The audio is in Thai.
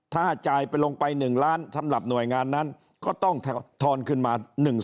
ถ้าจ่ายไปลงไป๑ล้านสำหรับหน่วยงานนั้นก็ต้องทอนขึ้นมา